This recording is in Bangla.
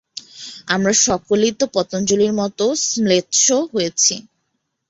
আমরা সকলেই তো পতঞ্জলির মতে ম্লেচ্ছ হয়েছি।